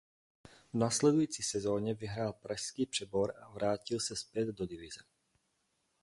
V následující sezóně klub vyhrál Pražský přebor a vrátil se zpět do Divize.